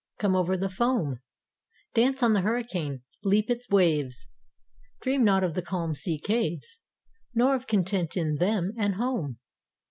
Come over the foam, Dance on the hurricane, leap its waves, Dream not of the calm sea caves Nor of content in them and home.